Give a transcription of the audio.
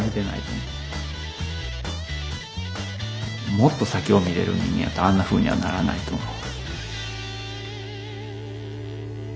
もっと先を見れる人間やったらあんなふうにはならないと思う。